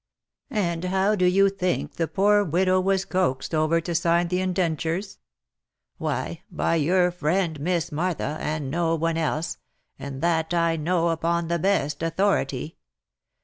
And how do you think the poor widow was coaxed over to sign the indentures ? Why by your friend, Miss Martha, and no one else, and that I know upon the best authority.